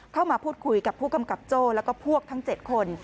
เข้ามาพูดคุยกับผู้กำกับโจ้แล้วก็พวกทั้ง๗คน